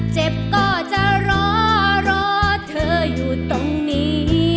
เจ็บก็จะรอรอเธออยู่ตรงนี้